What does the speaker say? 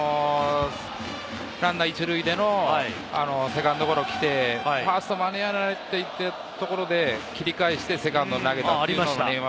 ランナー１塁でのセカンドゴロが来て、ファースト間に合わないところで切り返してセカンドに投げた。